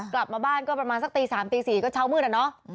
กลับมาบ้านก็ประมาณสักตี๓ตี๔ก็เช้ามืดอะเนาะ